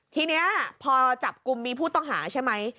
ทีนี้พอจับกลุ่มมีผู้ต้องหาใช่ไหม